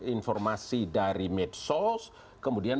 informasi dari medsos kemudian